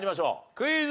クイズ。